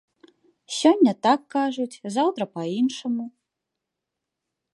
Сёння так кажуць, заўтра па-іншаму.